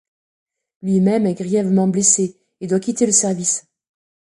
Lui-même est grièvement blessé et doit quitter le service.